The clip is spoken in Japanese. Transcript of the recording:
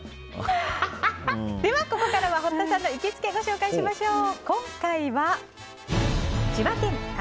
ここからは堀田さんの行きつけをご紹介しましょう。